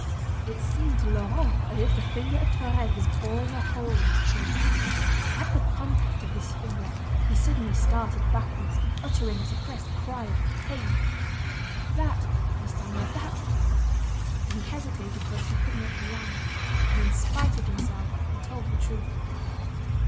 It seemed to Laurent as if the finger of Thérèse was boring a hole in his throat. At the contact of this finger, he suddenly started backward, uttering a suppressed cry of pain. "That," he stammered, "that " He hesitated, but he could not lie, and in spite of himself, he told the truth.